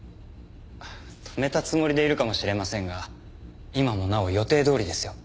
止めたつもりでいるかもしれませんが今もなお予定どおりですよ。